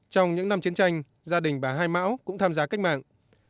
trong những năm chiến tranh gia đình bà hai mão cũng tham gia cách mạng